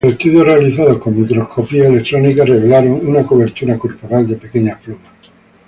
Estudios realizados con microscopía electrónica revelaron una cobertura corporal de pequeñas plumas.